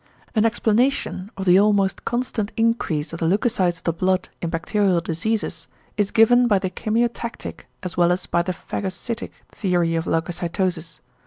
An explanation of the almost constant increase of the leucocytes of the blood in bacterial diseases is given by the chemiotactic as well as by the phagocytic theory of leucocytosis.